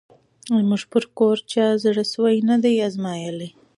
زموږ پر کور چا زړه سوی نه دی آزمییلی